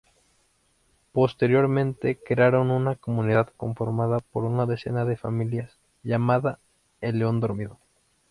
Posteriormente, crearon una comunidad conformada por una decena de familias llamada "El león dormido".